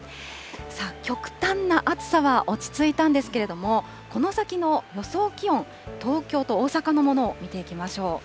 極端な暑さは落ち着いたんですけれども、この先の予想気温、東京と大阪のものを見ていきましょう。